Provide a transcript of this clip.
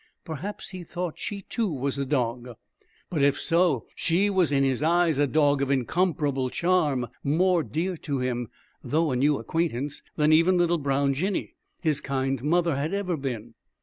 Perhaps he thought she, too, was a dog; but, if so, she was in his eyes a dog of incomparable charm, more dear to him, though a new acquaintance, than even little brown Jinny, his kind mother, had ever been.